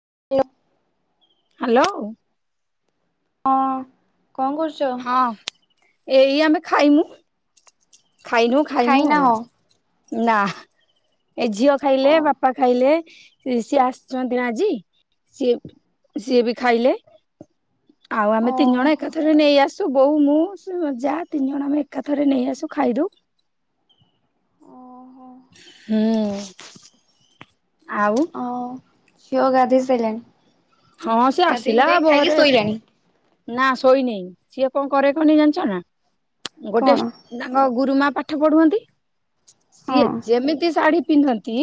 [unintelligible] Hello. ହଁ, କଣ କରୁ ହଁ, ଏଇ ଆମେ ଖାଇମୁ। ଖାଇନୁ, ଖାଇମୁ ଖାଇନା ଆଉ ହଁ ନା ଏ ଝିଅ ଓ ଖାଇଲେ, ବାପା ଖାଇଲେ, ସି ସିଏ ଆସିଛନ୍ତି ନା ଆଜି, ସିଏ ସିଏ ବି ଖାଇଲେ। ଆଉ ଆମେ ତିନି ଜଣ ଓହୋ ଏକାଥରେ ନେଇ ଆସୁ ତ ବୋଉ ମୁଁ ସେ ଯା ତିନି ଜଣ ଆମେ ଏକାଥରେ ନେଇ ଆସୁ ଖାଇଦଉ। ଓହୋ। ହୁଁ। ଆଉ ହଁ ଝିଅ ଗାଧୋଇ ହଁ ସେ ସାରିଲାଣି। ଗାଧେଇ ଆସିଲା ଗୁଧାଇ ଖାଇକି ବହରେ ଶୋଇଲାଣି। ନା ଶୋଇନେଇ ସିଏ କଣ କରେ କନି ଜାଣିଛ ନା ଗୋଟେ କଣ ତାଙ୍କ ଗୁରୁ ମା ପାଠ ପଢୁଅନ୍ତି ସିଏ ହଁ ଯେମିତି ଶାଢୀ ପିନ୍ଧନ୍ତି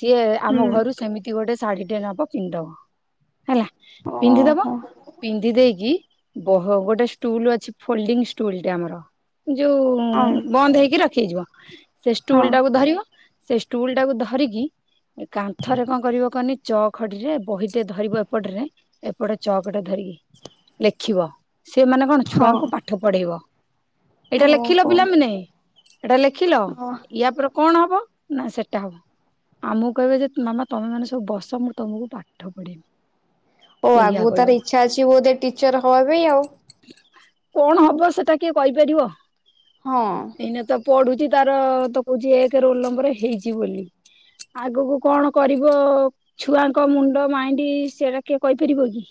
ସିଏ ହୁଁ ଆମ ଘରୁ ସେମିତି ଗୋଟେ ଶାଢୀ ଟେ ନବ ପିନ୍ଧିଦେବ ହେଲା। ପିନ୍ଧିଦବ ଓହୋ ପିନ୍ଧି ଦେଇକି କି ବହ ଗୋଟେ ଷ୍ଟୁଲ ଅଛି ଫୋଲଡିଂ ଷ୍ଟୁଲଟେ ଆମର ଯୋଉ ହଁ ଉନ୍ ବନ୍ଦ ହେଇକି ରଖିଯିବ ସେ ହଁ ଷ୍ଟୁଲ ଟାକୁ ଧରିବ ସେ ଷ୍ଟୁଲ ଟାକୁ ଧରିକି ଏ କାନ୍ଥରେ କଣ କରିବ କହନି ଚ ଖଡିରେ ବହିଟେ ଧରିବ ଏପଟରେ ଏପଟେ ଚକ ଟା ଧରିକି ଲେଖିବ ସେମାନେ କଣ ହଁ ଛୁଆଙ୍କୁ ପାଠ ପଢ଼େଇବ। ଏଇଟା ଲେଖିଲ ଓହୋ ପିଲାମାନେ, ଏଇଟା ଲେଖିଲ ଓ ୟା ପରେ କଣ ହବ ନା ସେଟା ହବ। ଆମକୁ କହିବେ ଯେ ମାମା ତମେ ମାନେ ସବୁ ବସ ମୁଁ ତମକୁ ପାଠ ପଢେଇବି। ଓ ସେଇଆ ଆଗକୁ କହିବ ତାର ଇଚ୍ଛା ଅଛି ବୋଧେ ଟିଚର ହବା ପାଇଁ ଆଉ। କଣ ହବ ସେଟା କିଏ କହିପାରିବ? ହଁ। ଏଇନା ତ ପଢ଼ୁଛି ତାର ତ କହୁଛି ଏକେ ରୋଲ ନମ୍ବର ହେଇଛି ବୋଲି। ଆଗକୁ କଣ କରିବ? ଛୁଆଙ୍କ ମୁଣ୍ଡ ମାଇଣ୍ଡି ସେରା କିଏ କହିପାରିବ କି?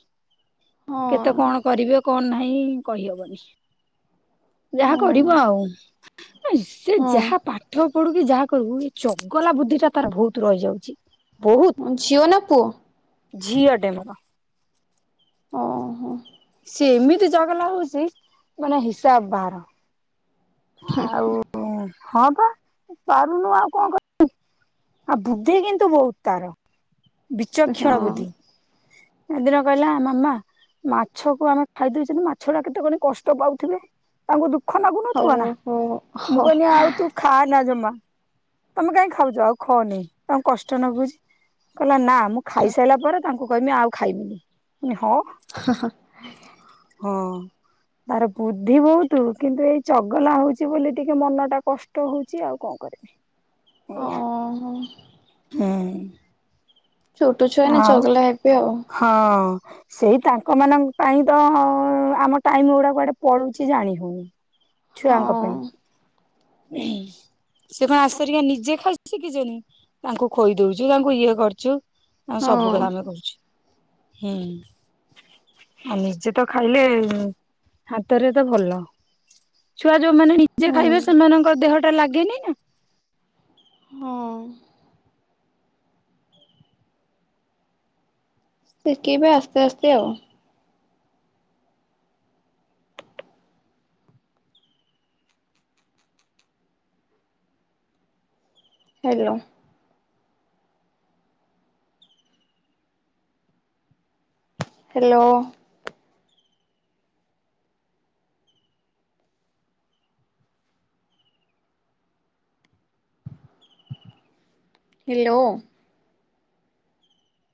କେତେ କଣ କରିବେ କଣ ନାହିଁ କହିହବନି। ଯାହା ହଁ କରିବ ଆଉ। ସେ ହଁ ଯାହା ପା ପାଠ ପଢୁ କି ଯାହା କରିବୁ ଏ ଚଗଲା ବୁଦ୍ଧି ଟା ତାର ବହୁତ ରହିଯାଉଛି। ବହୁତ୍, ହଁ ଝିଅ ନା ପୁଅ? ଝିଅଟେ ମୋର। ଓ ହୋ। ସିଏ ଏମିତି ଚଗଲା ହଉଛି, ମାନେ ହିସାବ ବାହାର। ହୁଁ, ଆଉ ହୁଁ। ହଁ ପା, ପାରୁନୁ ଆଉ କଣ କରିବି? ଆଉ ବୁଦ୍ଧି କିନ୍ତୁ ବହୁତ ତାର, ହଁ ବିଚକ୍ଷଣ ବୁଦ୍ଧି। ହେଦିନ କହିଲା ମାମା ମାଛକୁ ଆମେ ଖାଇଦେଉଛେ, ମାଛ ଗୁଡା କେତେ କହନି କଷ୍ଟ ପାଉଥିବେ, ତାଙ୍କୁ ଦୁଃଖ ଲାଗୁନି। ହଉ, ହଉ, ହ ହଁ। ତୁ ଖାଆନା ଜମା, ତମେ କାହିଁ ଖାଉଛ? ଆଉ ଖଅନି, ତାଙ୍କୁ କଷ୍ଟ ଲାଗୁଛି। କହିଲା ନା ମୁଁ ଖାଇସାରିଲା ପରେ ତାଙ୍କୁ କହିବି ଆଉ ଖାଇମିନି। ମୁଁ କହିନି ହଁ। ହଁ, ହଁ। ହଁ ତାର ବୁଦ୍ଧି ବହୁତ। କିନ୍ତୁ ଏଇ ଚଗଲା ହଉଛି ବୋଲି ଟିକେ ମନ ଟା କଷ୍ଟ ହଉଛି ଆଉ କଣ କରିବି। ଏଇଆ ଓହୋ ହୁଁ। ଛୋଟ ଛୁଆ ମାନେ ଚଗଲା ହେବେ ଆଉ। ହ ଉ। ସେଇ ତାଙ୍କ ମାନଙ୍କ ପାଇଁ ତ ଆମ ଟାଇମ ଗୁଡା କୁଆଡେ ପଳୁଛି ଜାଣି ହଉନି। [inaudible] ଛୁଆଙ୍କ ପାଇଁ। ସେ କଣ [inaudible] ନିଜେ ଖାଇ ଶିଖିଛନ୍ତି। ତାଙ୍କୁ ଖୋଇ ଦଉଛୁ ତାଙ୍କୁ ଇଏ କରୁଛୁ। ଆଉ ହଁ ସବୁ କଥା ଆମେ କରୁଛି, ହୁଁ। ଆଉ ନିଜେ ତ ଖାଇଲେ ହାତରେ ତ ଭଲ। ଛୁଆ ଯୋଉମାନେ ନିଜେ ହୁଁ ଖାଇବେ ସେମାନଙ୍କ ଦେହଟା ଲାଗେନି ନା। ହୁଁ। ଶିଖେଇବେ ଆସ୍ତେ ଆସ୍ତେ ଆଉ। ହ୍ୟାଲୋ। ହ୍ୟାଲୋ। ହ୍ୟାଲୋ।